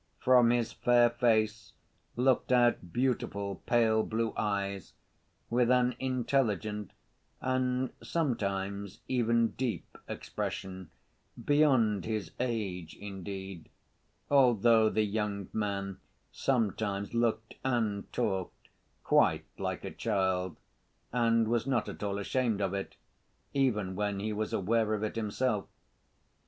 From his fair face looked out beautiful pale blue eyes, with an intelligent and sometimes even deep expression, beyond his age indeed, although the young man sometimes looked and talked quite like a child, and was not at all ashamed of it, even when he was aware of it himself.